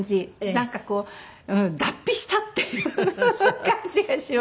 なんかこう脱皮したっていう感じがします。